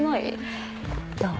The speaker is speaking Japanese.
どう？